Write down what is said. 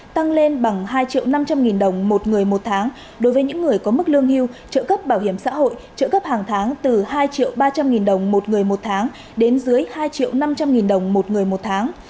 tăng lên bằng hai năm trăm linh nghìn đồng một người một tháng đối với những người có mức lương hưu trợ cấp bảo hiểm xã hội trợ cấp hàng tháng từ hai triệu ba trăm linh nghìn đồng một người một tháng đến dưới hai triệu năm trăm linh nghìn đồng một người một tháng